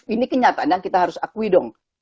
ini kenyataan yang kita harus akui dong